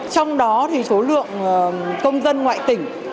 trong đó thì số lượng công dân ngoại tỉnh